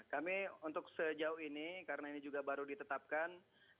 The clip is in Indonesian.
kami untuk sejauh ini karena ini juga baru ditetapkan